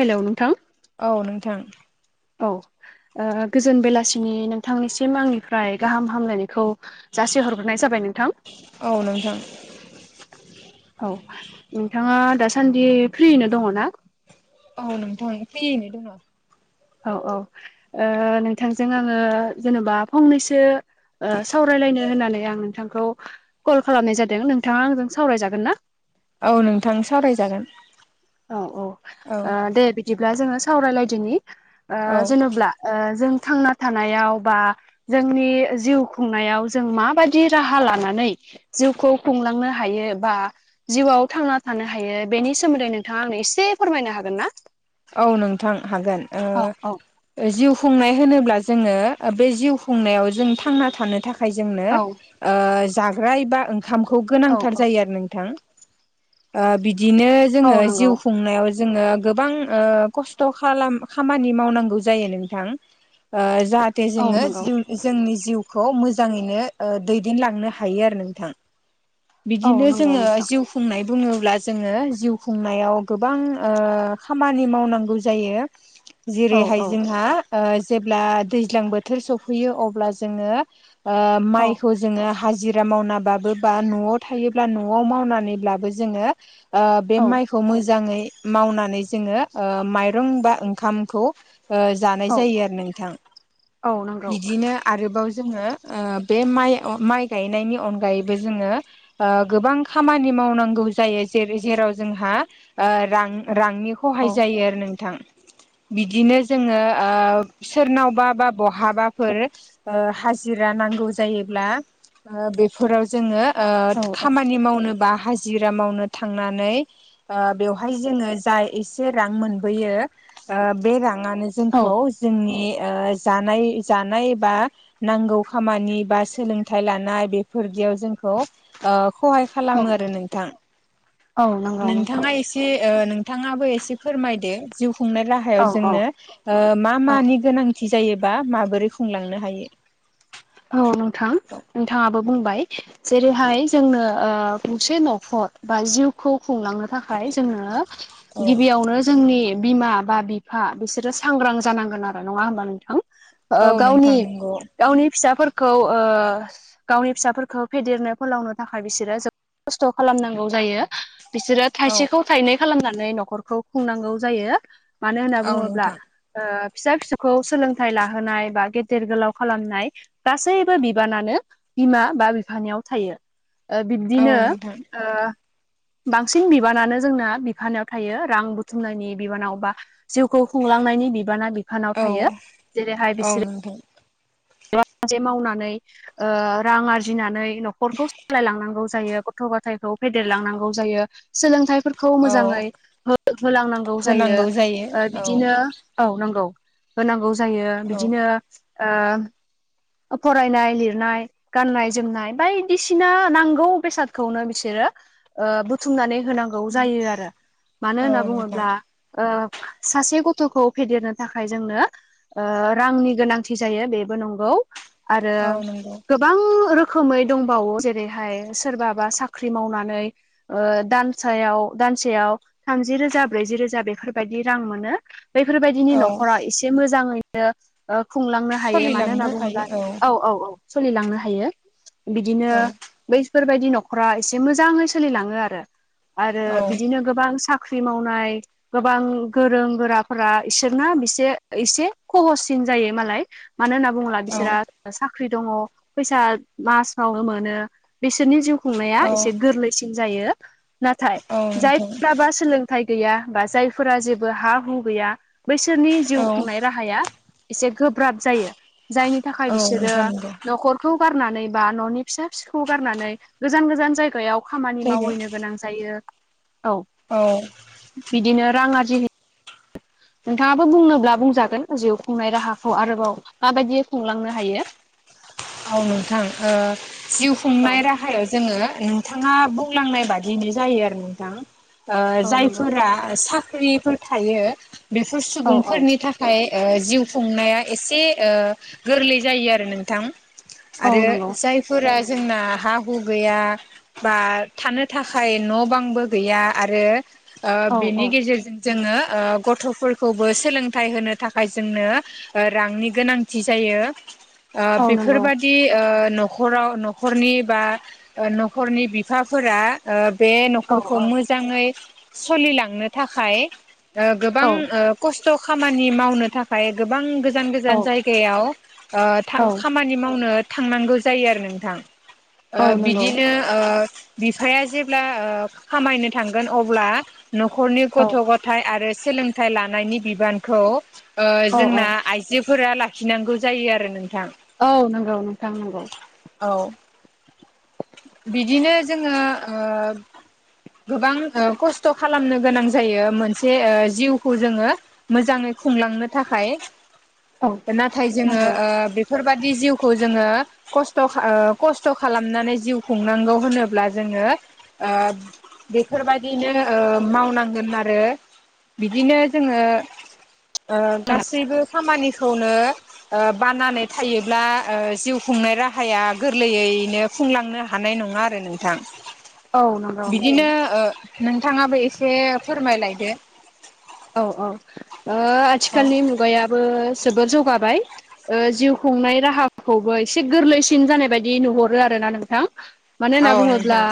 Hello नोंथां। औ नोंथां। औ ओ गोजोन बेलासिनि नोंथांनिसिम आंनिफ्राय गाहाम हामलायनायखौ जासिहरग्रोनाय जाबाय नोंथां। औ नोंथां औ नोंथाङा दासान्दि फ्रिैयैनो दङ ना? औ नोंथां फ्रिैयैनो दङ। औ औ ओ नोंथांजों आङो जेनेबा फंनैसो ओ सावरायलायनो होननानै आं नोंथांखौ कल खालामनाय जादों नोंथाङा आंजों सावरायजागोन ना? औ नोंथां सावरायजागोन। औ औ ओ औ दे बिदिब्ला जोंङो सावरायलायदोनि ओ औ जेनेब्ला ओ जों थांना थानायाव बा जोंनि जिउ खुंनायाव जों माबायदि राहा लानानै जिउखौ खुंलांनो हायो बा जिउआव थांना थानो हायो बेनि सोमोन्दै नों नोंथाङा आंनो एसे फोरमायनो हागोन ना? औ नोंथां हागोन। औ औ ओ जिउ खुंनाय होनोब्ला जोङो बे जिउ खुंनायाव जों थांना थानो थाखाय थाखाय जोंनो औ जाग्रा एबा ओंखामखौ औ गोनांथार औ जायो आरो नोंथां बिदिनो औ जोङो जिउ नंगौ खुंनायाव जोङो गोबां खस्थ' खालाम खामानि मावनांगौ जायो नोंथां जाहे जाहाथे औ नंगौ जोङोउ जोंनि जिउखौ मोजाङैनो दैदेनलांनो हायो आरो नोंथां औ बिदिनो नंगौ जोङो नोंथां जिउ खुंनाय बुङोब्ला जोङो जिउ खुंनायाव गोबां खामानि मावनांगौ जायो औ जेरैहाय औ जोंहा ओ जेब्ला दैज्लां बोथोर सफैयो अब्ला जोंङो ओ औ माइखौ जोंङो हाजिरा मावनाबाबो बा न'आव थायोब्ला न'आव मावनानैब्लाबो जोंङो ओ बे औ माइखौ मोजाङै मावनानै जोंङो ओ माइरं बा ओंखामखौ जानाय औ जायो आरो नोंथां औ नंगौ बिदिनो आरोबाव जोंङो ओ बे माइ माइ गायनायनि अनगायैबो जोंङो ओ गोबां खामानि मावनांगौ जायो जैरै जेराव जोंहा रां रांनि औ सहाय जायो आरो नोंथां बिदिनो जोङो सोरनावबा बा बहाबाफोर हाजिरा नांगौ जायोब्ला बेफोराव जोङो औ खामानि मावनोबा ह जिरा मावनो थांनानै बेवहाय जोङो जाय एसे रां मोनबोयो बे राङानो औ जोंखौ जोंनि जानाय जानाय बा नांगौ खामानि बा सोलोंथाइ लानाय बेफोरदियाव जोंखौ खहाय औ खालामो आरो नोंथां औ नंगौ नोंथां नोंथाङा एसे एसे नोंथाङाबो एसे फोरमायदो जिउ खुंनो राहा औ गाहायाव औ जोंनो मा औ मानि गोनांथि जायोबा माबोरै खुंलांनो हायो औ नोंथां नोंथाङाबो बुंबाय जेरैहाय जोंनो गंसे न'खर बा जिउखौ खुंलांनो थाखाय जोङो गिबियावनो जोंनि बिमा बा बिफा बिसोरो सांग्रां जानांगोन आरो नङा होमबा नोंथां औ नोंथां गावनि नंगौ गावनि फिसाफोरखौ गावनि फिसाफोरखौ फेदेरनो फोलावनो थाखाय बिसोरो जोबोद खस्थ' खालामनांगौ जायो बिसोरो औ थाइसेखौ थाइनै खालामनानै न'खरखौ खुंनांगौ जायो मानो होनना औ बुङोब्ला नोंथां फिसा फिसौखौ सोलोंथाइ लाहोनाय बा गेदेर गोलाव खालामनाय गासैबो बिबानानो बिमा बा बिफानियाव थायो औ बिब्दिनो नोंथां ओ बांसिन बिबानानो जोंना बिफानाव थायो रां बुथुमनायनि बिबानाव बा जिउखौ खुंलांनायनि बिबाना बिफानाव औ थायो जेरैहाय औ बिसोरो नोंथां माजसे मावनानै रां आरजिनानै न'खरखौ सालायलांनांगौ जायो गथ' गथायखौ फेदेरलांनांगौ जायो सोलोंथाइफोरखौ औ मोजाङै होलांनांगौ जायो होनांगौ औ बिदिनो औ नांगौ होनांगौ जायो औ बिदिनो फरायनाय लिरनाय गाननाय जोमनाय बायदिसिना नांगौ बेसादखौनो बिसोरो बुथुमनानै होनांगौ जायो आरो मानो होनना औ नोंथां बुङोब्ला सासे गथ'खौ फेदेरनो थाखाय जोंनो रांनि गोनांथि जायो बेबो नंगौ आरो औ नंगौ गोबां रोखोमै दंबावो जेरैहाय सोरबाबा साख्रि मावनानै दानसायाव दानसेयाव थामजि रोजा ब्रैजि रोजा बेफोरबायदि रां मोनो बेफोरबायदिनि औ न'खरा एसे मोजाङैनो खुंलांनो हायो मानो होनना सोलिलांनो बुङोब्ला हायो औ औ औ औ सोलिलांनो हायो बिदिनो औ बैफोरबायदि न'खरा एसे मोजाङै सोलिलाङो आरो आरो औ बिदिनो गोबां साख्रि मावनाय गोबां गोरों गोराफोरा इसोरना बिसे एसे खह'ससिन जायो मालाय। मानो होनना बुङोब्ला औ बिसोरा साख्रि दङ फैसा मासावनो मोनो। बिसोरनि जिउ खुंनाया औ एसे गोरलैसिन जायो नाथाय औ नोंथां जायफोरबा सोलों फिथथाय गैया बा जायफोरा जेबो हा हु गैया बैसोरनि जिउ औ खुंनाय राहाया एसे गोब्राब जायो जायनि थाखाय औ बिसोरो नोंथां नंगौ न'खर खौ गारनानै बा न'नि फिसा फिसौखौ गारनानै गोजान गोजान जायगायाव खामानि जायगा मावहैनो गोनां जायो औ औ बिदिनो रां आरजि नोंथाङाबो बुंनोब्ला बुंजागोन जिउ खुंनाय राहाखौ आरोबाव माबायदि खुंलांनो हायो? औ नोंथां ओ जिउ औ खुंनाय राहायाव जोङो नोंथाङा बुंलांनाय बादियैनो जायो आरो नोंथां। ओ औ नंगौ। जायफोरा साख्रिफोर थायो बेफोर औ औ सुबुंफोरनि थाख थाय ओ जिउ खुंनाया एसे ओ गोरलै जायो आरो नोंथां। औ आरो नंगौ जायफोरा जोंना हा हु गैया बा थानो थाखाय न' बांबो गैया आरो ओ औ बेनि औ गेजेरजों जोङो ओ गथ'फोरखौबो सोलोंथाइ होनो थाखाय जोंनो ओ रांनि गोनांथि जायो ओ औ बे नंगौ दि ओ न'खराव न'खरनि बा ओ न'खरनि बिफाफोरा ओ बे औ न'खरखौ मोजाङै सलिलांनो थाखाय ओ गोबां ओ खस्थ' खामानि मावनो थाखाय गोबां गोजान औ गोजान जायगायाव ओ थां औ खामानि मावनो थांनांगौ जायो आरो नोंथां। ओ औ नंगौ बिदिनो ओ बिफाया जेब्ला ओ खामायनो थांगोन अब्ला न'खरनि औ गथ' गथाय आरो सोलोंथाइ लानायनि बिबानखौ ओ औ जोंना औ आइजोफोरा लाखिनांगौ जायो आरो नोंथां। औ नोंगौ नोंथां नोंगौ। औ बिदिनो जोङो ओ गोबां ओ खस्थ' खालामनो गोनां जायो मोनसे ओ जिउखौ जोङो मोजाङै खुंलांनो थाखाय औ नाथाय जोङो नंगौ ओ बे फोरबादि जिउखौ जोङो खस्थ' ओ खस्थ' खालामनानै जिउ खुंनांगौ होनोब्ला जोङो ओ बेफोर बायदिनो ओ मावनांगोन आरो बिदिनो जोङो ओ गासैबो खामानिखौनो ओ बानानै थायोब्ला ओ जिउ खुंनाय राहाया गोरलैयैनो फुंलांनो हानाय नङा आरो नोंथां औ नंगौ नोंथां बिदिनो ओ नोंथाङाबो एसे फोरमायलायदो। औ औ ओ औ आथिखालनि मुगायाबो जोबोर जौगाबाय। ओ जिउ खुंनाय राहाखौबो एसे गोरलैसिन जानाय बायदि नुहरो आरो ना नोंथां। मानो होनना औ बुङोब्ला नोंथां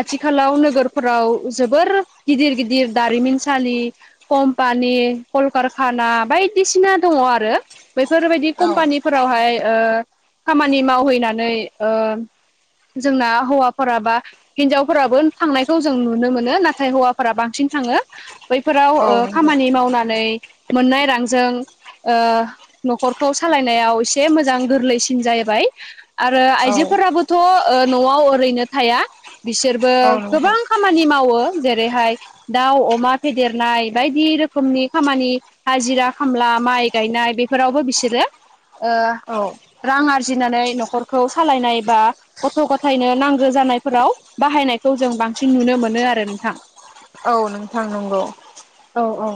आथिखालाव नोगोरफोराव जोबोर गिदिर गिदिर दारिमिनसालि कम्पानि कल कारखाना बायदिसिना दङ आरो बैफोरबायदि औ कम्पानि फोरावहाय ओ खामानि मावहैनानै ओ जोंना हौवाफोरा बा हिनजावफोराबो थांनायखौ जों नुनो मोनो नाथाय हौवाफोरा बांसिन थाङो बैफोराव औ ओ नोंथां खामानि मावनानै मोननाय रांजों ओ न'खरखौ सालायनायाव एसे मोजां गोरलैसिन जाहैबाय। आरो औ आइजोफोराबोथ ओ नआव ओरैनो थाया बिसोरबो औ नोंथां गोबां खामानि मावो जेरैहाय दाउ अमा फेदेरनाय बायदि रोखोमनि खामानि हाजिरा खामला माइ गायनाय बेफोरावबो बिसोरो ओ औ रां आरजिनानै नखरखौ सालायनाय बा गथ' गथायनो नांगौ जानायफोराव बाहायनायखौ जों बांसिन नुनो मोनो आरो नोंथां। औ नोंथां नोंगौ। औ औ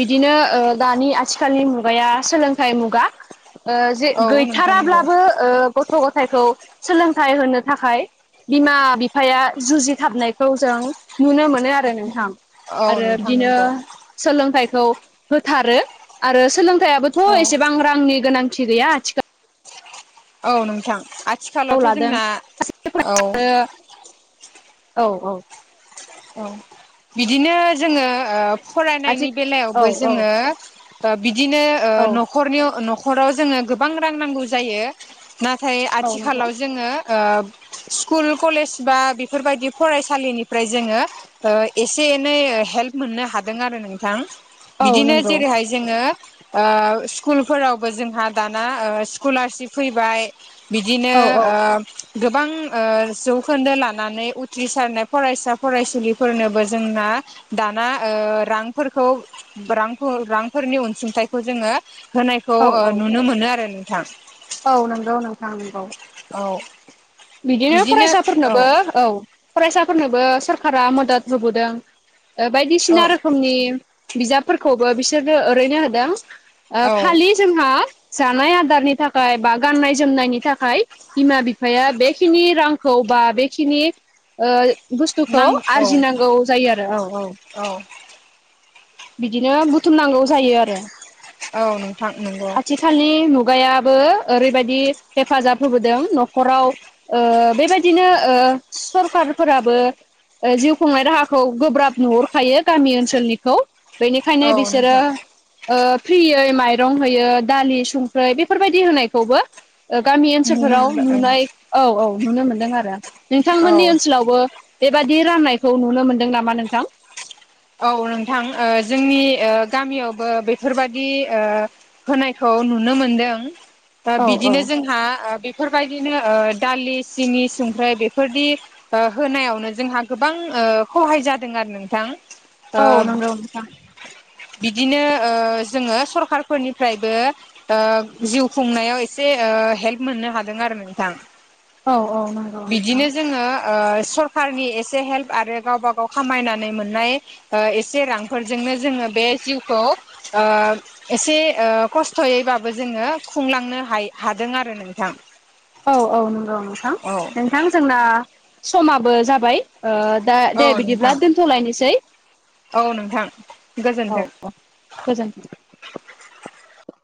बिदिनो ओ दानि आथिखालनि मुगाया सोलोंथाइ मुगा। ओ जे औ नोंथां नंगौ गैथाराब्लाबो ओ गथ' गथायखौ सोलोंथाइ होनो थाखाय बिमा बिफाया जुजिथाबनायखौ जों नुनो मोन नो आरो नोंथां औ आरो नोंथां बिदिनो नंगौ सोलोंथाइखौ होथारो आरो सोलोंथाइयाबोथ औ एसेबां रांनि गोनांथि गैया आथिखालाव औ नोंथां आथिखालावथ लादों जोंना औ औ औ औ बिदिनो जोङो ओ आथि फरायनायनि औ बेलायावबो औ जोङो ओ बिदिनो ओ औ नखरनियाव नखराव जोङो गोबां रां नांगौ जायो। नाथाय औ नंगौ आथिखालाव जोङो ओ स्कुल कलेज बा बेफोरबायदि फरायसालिनिफ्राय जोङो ओ एसे एनै हेल्प मोननो हादों आरो नोंथां औ बिदिनो नंगौ जेरैहाय जोङो ओ स्कुलफोरावबो जोंहा दाना स्कलारशिप फैबाय बिदिनो औ औ ओ गोबां ओ जौखोन्दो लानानै उथ्रिसारनाय फरायसा फरायसुलिफोरनोबो जोंना दाना ओ रांफोरखौ रां रांफोरनि अनसुंथाइखौ जोङो होनायखौ औ ओ औ नुनो मोनो आरो नोंथां। औ नंगौ नोंथां नोंगौ औ बिदिनो फरायसाफोरनोबो औ फरायसाफोरनोबो सोररखारा मदद होबोदों। औ बायदिसिना रोखोमनि बिजाबफोरखौबो बिसोरनो ओरैनो होदों ओ औ खालि जोंहा जानाय आदारनि थाखाय बा गाननाय जोमनायनि थाखाय बिमा बिफाया बेखिनि रांखौ बा बेखिनि ओ बुस्थुखौ नां औ आरजिनांगौ जायो आरो औ औ बिदिनो बुथुमनांगौ जायो आरो। औ नोंथां नंगौ थालनि मुगायाबो ओरैबायदि हेफाजाब होबोदों न'खराव ओ बेबायदिनो ओ सरखारफोराबो ओ जिउ खुंनाय राहाखौ गोब्राब नुहरखायो गामि ओनसोलनिखौ‌ औ बेनिखायनो बिसोरो नोंथां ओ फ्रियै माइरं होयो दालि संख्रि बेफोरबायदि होनायखौबो ओ गामि नुनो ओनसोलफोराव मोनबाय नुनाय औ औ नुनो मोनदों आरो औ नोंथांमोननि ओनसोल लावबो बेबायदि राननायखौ नुनो मोनदों नामा नोंथां? औ नोंथां ओ जोंनि ओ गामियावबो बेफोरबाददि ओ होनायखौ नुनो मोनदों दा औ औ बिदिनो जोंहा बे बेफोरबायदिनो ओ दालि सिनि संख्राय बेफोरनि होनायावनो जोंहा गोबां ओ सहाय जादों आरो नोंथां। ओ औ नंगौ नोंथां बिदिनो ओ जोङो सरखारारफोरनिफ्रायबो ओ जिउ खुंनायाव एसे ओ हेल्प मोननो हादों आरो नोंथां। औ औ नंगौ नोंथां बिदिनो जोङो ओ सरखारनि एसे हेल्प आरो गावबा गाव खामायनानै मोननाय ओ एसे रांफोरजोंनो जोङो बे जिउखौ ओ एसे ओ खस्थ'यैबाबो जोङो खुंलांनो हायो हादों आरो नोंथां औ औ नंगौ नोंथां औ नोंथां जोंना समाबो जाबाय ओ दा औ दे बिदिब्ला नोंथां दोनथ'लायनोसै औ नोंथां औ गोजोन्थों औ गोजोन